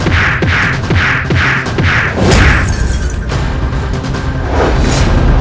silahkan kau bertapa disini